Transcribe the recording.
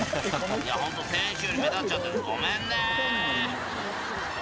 いや本当、選手より目立っちゃってごめんね。